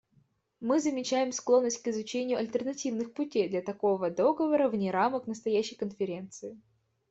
Мы замечаем склонность к изучению альтернативных путей для такого договора вне рамок настоящей Конференции.